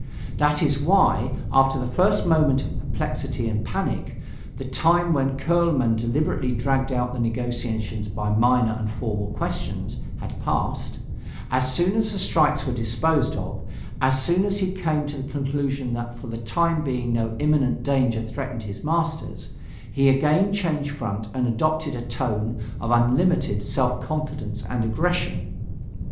That is why, after the first moment of perplexity and panic, the time when Kuehlmann deliberately dragged out the negotiations by minor and formal questions, had passed as soon as the strikes were disposed of, as soon as he came to the conclusion that for the time being no imminent danger threatened his masters, he again changed front and adopted a tone of unlimited self confidence and aggression.